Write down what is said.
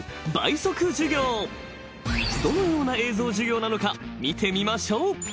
［どのような映像授業なのか見てみましょう］